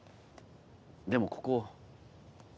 でもここ。